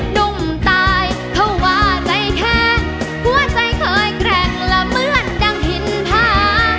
หนุ่มตายเพราะว่าใจแค้นหัวใจเคยแกร่งละเมื่อนดังหินพา